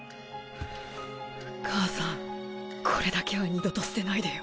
母さんこれだけは二度と捨てないでよ。